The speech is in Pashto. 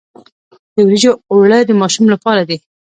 د وریجو اوړه د ماشوم لپاره دي.